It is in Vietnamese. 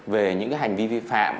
về những cái hành vi vi phạm